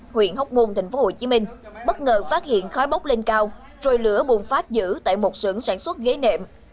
huyện hốc môn tp hcm bất ngờ phát hiện khói bốc lên cao trôi lửa buồn phát dữ tại một sưởng sản xuất ghế nệm